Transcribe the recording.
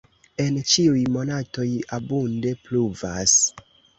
En ĉiuj monatoj abunde pluvas.